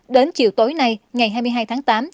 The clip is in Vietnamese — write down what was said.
đến chiều tối nay ngày hai mươi hai tháng tám